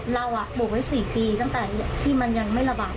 ปลูกไว้๔ปีตั้งแต่ที่มันยังไม่ระบาด